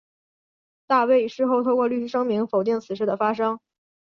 大卫事后透过律师声明否定此事的发生。